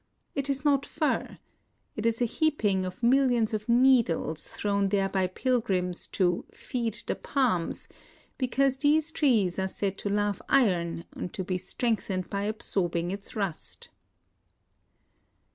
It is not fur. It is a heaping of millions of nee dles thrown there by pilgrims " to feed the palms," because these trees are said to love IN OSAKA 169 iron and to be strengthened by absorbing its rust.